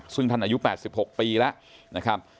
ซึ่งท่านอายุ๘๖ปีแล้วนะครับ